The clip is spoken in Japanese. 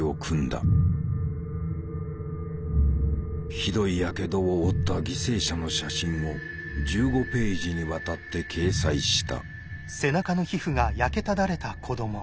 ひどい火傷を負った犠牲者の写真を１５ページにわたって掲載した。